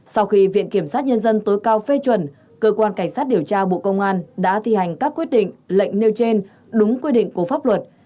sau khi viện kiểm sát nhân dân tối cao phê chuẩn cơ quan cảnh sát điều tra bộ công an đã thi hành các quyết định lệnh nêu trên đúng quy định của pháp luật